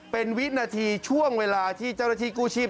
เป็นวินาทีช่วงเวลาที่เจ้าหน้าที่กู้ชีพ